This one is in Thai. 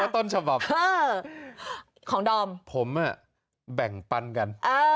ตอบมาคือของดอมผมอะแบ่งปันกัน